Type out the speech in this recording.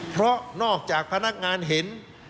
เพราะนอกจากพนักงานเห็น